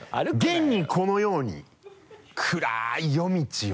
現にこのように暗い夜道を。